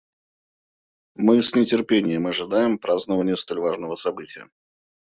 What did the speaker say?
Мы с нетерпением ожидаем празднования столь важного события.